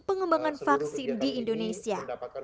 pengembangan vaksin di indonesia